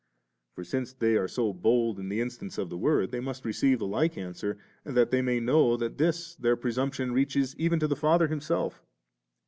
For since they are so bold in the instance of the Word, they must receive the like answer, that they may know that this their presumption reaches even to the Father Himself.